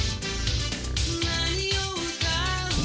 何を歌う？